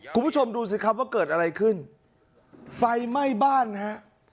คุณผู้ชมดูสิครับว่าเกิดอะไรขึ้นไฟไหม้บ้านฮะ